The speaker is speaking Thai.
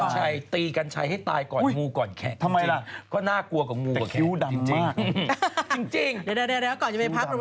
ต้องช่ายตีกัญชัยให้ตายก่อนสมบัติเก่ง